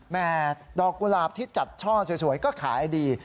แม่ดอกกุหลาบที่จัดช่อสวยก็ขายดี